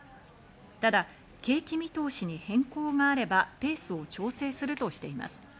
ただ、景気見通しに変更があればペースを調整するとしています。